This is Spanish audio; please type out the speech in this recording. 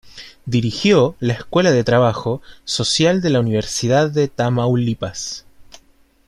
Dirigió la Escuela de Trabajo Social de la Universidad de Tamaulipas.